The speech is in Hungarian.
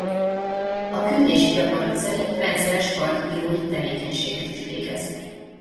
A küldési gyakorlat szerint rendszeres partbírói tevékenységet is végez.